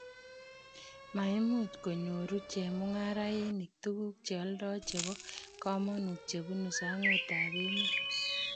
maimuch konyoru chemung'arenik tuguk che oldoi chebo kamanut che bunu sang'utab emet